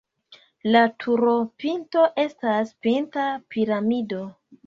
La turopinto estas pinta piramido.